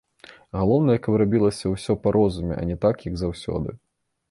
Галоўнае, каб рабілася ўсё па розуме, а не так, як заўсёды.